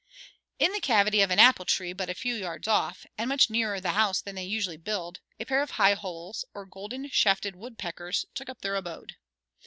In the cavity of an apple tree but a few yards off, and much nearer the house than they usually build, a pair of high holes, or golden shafted woodpeckers, took up their abode.